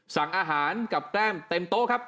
สั่งอาหารกับแก้มเต็มโต๊ะครับ